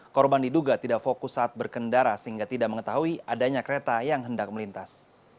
korban diduga tidak fokus saat berkendara sehingga tidak mengetahui adanya kereta yang hendak melintas